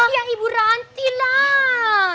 ya ibu ranti lah